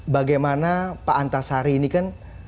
bagaimana pak antasari ini kan